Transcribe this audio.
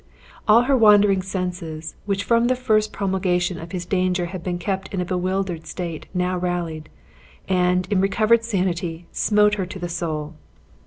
All her wandering senses, which from the first promulgation of his danger had been kept in a bewildered state, now rallied; and, in recovered sanity, smote her to the soul.